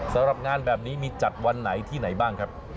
สำหรับงานแบบนี้มีจัดวันไหนที่ไหนบ้างครับ